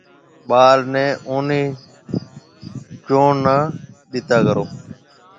ٻاݪ نَي اونَي چونه نَي ڏيتا ڪرون۔